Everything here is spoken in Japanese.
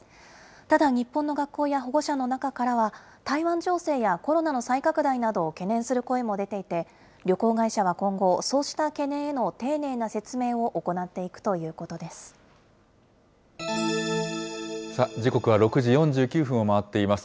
ただ、日本の学校や保護者の中からは、台湾情勢やコロナの再拡大などを懸念する声も出ていて、旅行会社は今後、そうした懸念への丁寧な説明を行っていくということです。